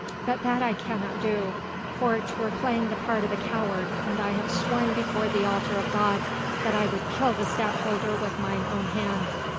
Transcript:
But that I cannot do: for 'twere playing the part of a coward and I have sworn before the altar of God that I would kill the Stadtholder with mine own hand.